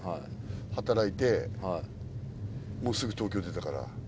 働いてすぐ東京出たから。